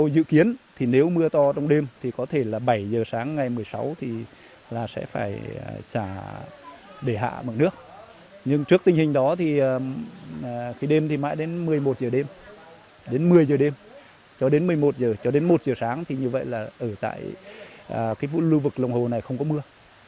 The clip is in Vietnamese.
đến đêm cho đến một mươi một h cho đến một h sáng thì như vậy là ở tại cái lưu vực lòng hồ này không có mưa